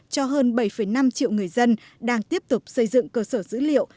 cho hơn bảy năm triệu người dân đang tiếp tục xây dựng cơ sở dữ liệu